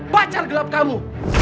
bacar gelap kamu